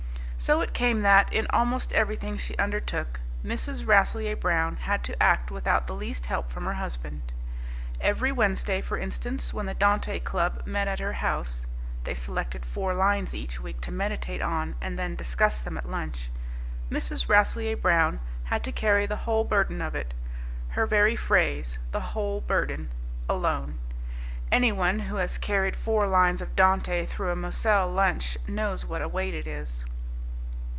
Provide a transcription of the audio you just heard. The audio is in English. So it came that, in almost everything she undertook Mrs. Rasselyer Brown had to act without the least help from her husband. Every Wednesday, for instance, when the Dante Club met at her house (they selected four lines each week to meditate on, and then discussed them at lunch), Mrs. Rasselyer Brown had to carry the whole burden of it her very phrase, "the whole burden" alone. Anyone who has carried four lines of Dante through a Moselle lunch knows what a weight it is.